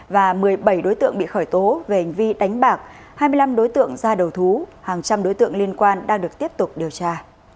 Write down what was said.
và một mươi bảy đối tượng bị khởi tố về hành vi đánh bạc hai mươi năm đối tượng ra đầu thú hàng trăm đối tượng liên quan đang được tiếp tục điều tra